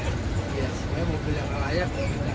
ya semuanya mobil yang nggak layak